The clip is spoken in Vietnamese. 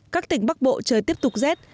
các tỉnh bắc bộ trời tiếp tục rét